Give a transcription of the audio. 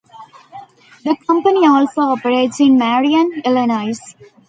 The company also operates in Marion, Illinois.